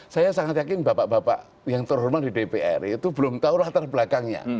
saya sangat yakin bapak bapak yang terhormat di dpr itu belum tahu latar belakangnya